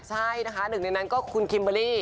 ใช่นะคะหนึ่งในนั้นก็คุณคิมเบอร์รี่